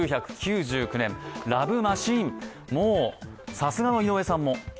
さすがの井上さんも？